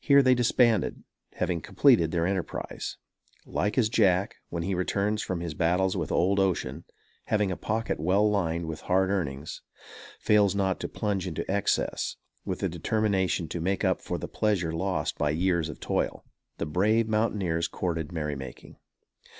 Here they disbanded, having completed their enterprise. Like as Jack, when he returns from his battles with old ocean, having a pocket well lined with hard earnings, fails not to plunge into excess, with the determination to make up for the pleasure lost by years of toil, the brave mountaineers courted merrymaking.